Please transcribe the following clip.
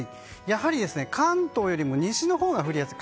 やはり関東よりも西のほうが降りやすい。